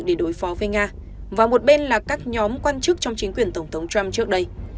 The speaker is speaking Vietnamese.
để đối phó với nga và một bên là các nhóm quan chức trong chính quyền tổng thống trump trước đây